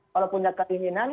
kalau punya keinginan